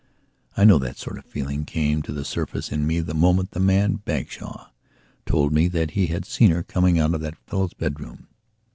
I know that sort of feeling came to the surface in me the moment the man Bagshawe told me that he had seen her coming out of that fellow's bedroom.